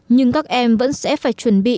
nhưng các em vẫn sẽ phải chuẩn bị